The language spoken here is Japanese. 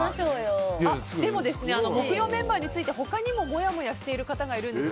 でも木曜メンバーについて他にももやもやしている方がいるんです。